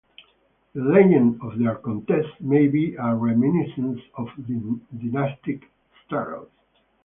The legend of their contest may be a reminiscence of dynastic struggles.